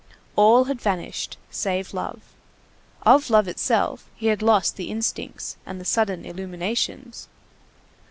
All had vanished, save love. Of love itself he had lost the instincts and the sudden illuminations.